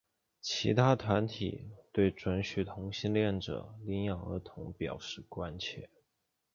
其他团体对准许同性恋者领养儿童表示关切。